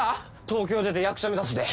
東京出て役者目指すで！